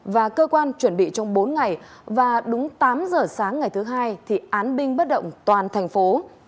và cơ quan chuẩn bị trong bốn ngày và đúng tám giờ sáng ngày thứ hai thì án binh bất động toàn thành phố